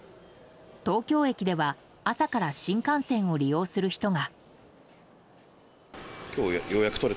東京駅では朝から新幹線を利用する人が。